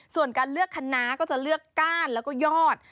ส่วนการเลือกคณะก็จะเลือกก้านแล้วก็ยอด